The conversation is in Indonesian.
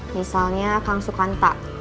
misalnya kang sukanta